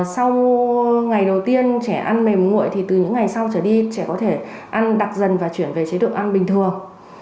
sau ngày đầu tiên trẻ ăn mềm nguội thì từ những ngày sau trở đi trẻ có thể ăn đặc dần và chuyển về chế độ ăn bình thường